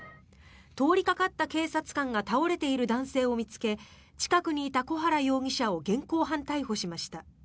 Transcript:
通りかかった警察官が倒れている男性を見つけ近くにいた小原容疑者を現行犯逮捕しました。